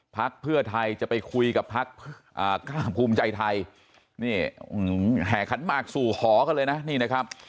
ภักดิ์เพื่อไทยจะไปคุยกับภักดิ์อ่ากล้ามภูมิใจไทยนี่แห่ขัดมากสู่หอกันเลยนะนี่นะครับ